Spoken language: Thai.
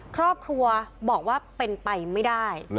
ครอบครัวบอกว่าเป็นไปไม่ได้